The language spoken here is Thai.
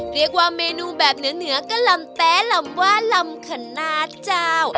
เรียกว่าเมนูแบบเหนือก็ลำแต๊ลำว่าลำขนาดเจ้า